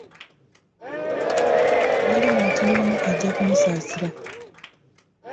Tewali muntu n'omu yajja kumusaasira.